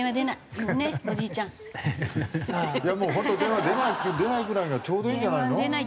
もう本当に電話出ないぐらいがちょうどいいんじゃないの？